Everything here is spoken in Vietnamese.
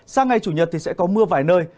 sang ngày chủ nhật thì sẽ có mưa vài nơi